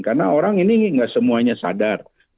karena orang ini nggak semuanya sadar